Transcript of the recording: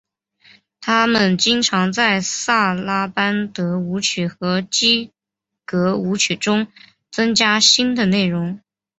他们经常在萨拉班德舞曲和基格舞曲中增加新的内容。